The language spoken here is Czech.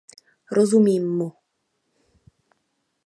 Rozumím mu.